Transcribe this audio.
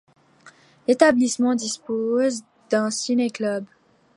L'établissement dispose d'un ciné-club.